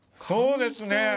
そうですね！